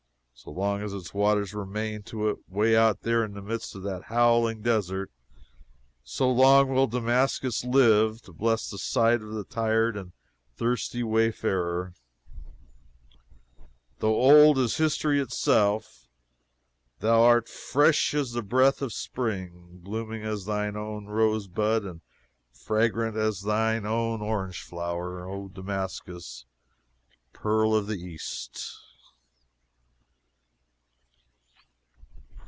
So long as its waters remain to it away out there in the midst of that howling desert, so long will Damascus live to bless the sight of the tired and thirsty wayfarer. "Though old as history itself, thou art fresh as the breath of spring, blooming as thine own rose bud, and fragrant as thine own orange flower, O Damascus, pearl of the East!"